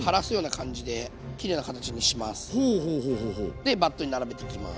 でバットに並べていきます。